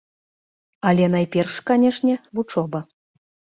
Але найперш, канешне, вучоба.